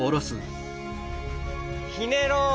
ひねろう。